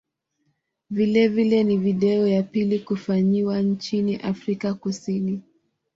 Vilevile ni video ya pili kufanyiwa nchini Afrika Kusini.